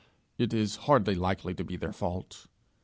It is hardly likely to be their fault.